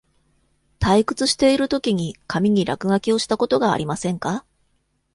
退屈しているときに、紙に落書きをしたことがありませんか？